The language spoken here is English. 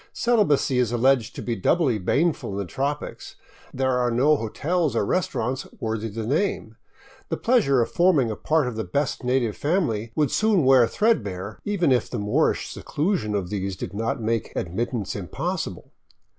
Celibacy is alleged to be doubly baneful in the tropics; there are no hotels or restaurants worthy the name ; the pleasure of forming a part of the best native family would soon wear threadbare, even if the Moorish seclusion of these did not make admittance impossible.